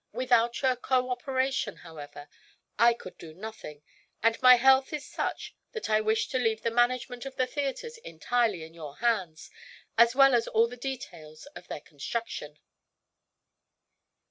Without your cooperation, however, I could do nothing, and my health is such that I wish to leave the management of the theatres entirely in your hands, as well as all the details of their construction."